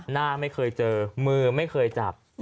หน้าไม่เคยเจอมือไม่เคยจับ